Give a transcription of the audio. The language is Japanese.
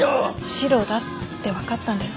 シロだって分かったんです